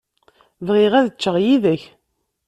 Bɣiɣ ad ččeɣ yid-k.